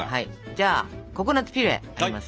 じゃあココナツピュレありますね。